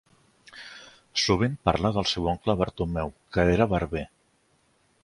Sovint parla del seu oncle Bartomeu, que era barber.